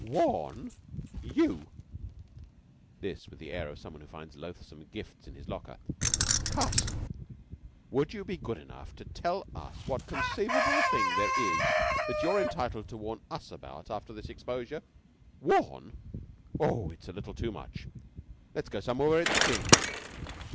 "Warn? You?" This with the air of one who finds loathsome gifts in his locker. "Carson, would you be good enough to tell us what conceivable thing there is that you are entitled to warn us about after this exposure? Warn? Oh, it's a little too much! Let's go somewhere where it's clean."